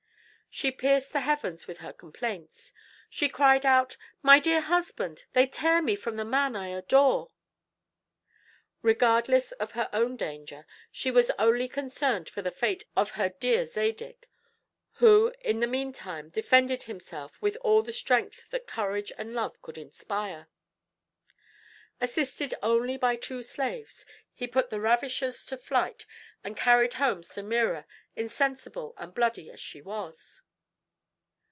She pierced the heavens with her complaints. She cried out, "My dear husband! they tear me from the man I adore." Regardless of her own danger, she was only concerned for the fate of her dear Zadig, who, in the meantime, defended himself with all the strength that courage and love could inspire. Assisted only by two slaves, he put the ravishers to flight and carried home Semira, insensible and bloody as she was.